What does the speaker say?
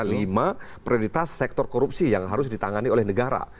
lima prioritas sektor korupsi yang harus ditangani oleh negara